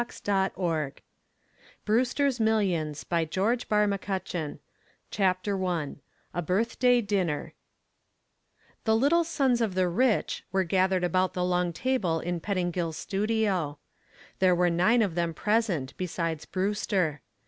The Last Word BREWSTER'S MILLIONS CHAPTER I A BIRTHDAY DINNER "The Little Sons of the Rich" were gathered about the long table in Pettingill's studio. There were nine of them present, besides Brewster.